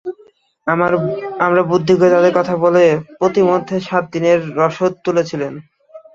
আমরা বুদ্ধি করে তাঁদের কথা বলে পথিমধ্যে সাত দিনের রসদ তুলেছিলাম।